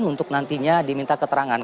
untuk nantinya diminta keterangan